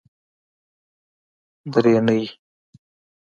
درېنۍ